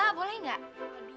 bapak ibu mau ngajak merry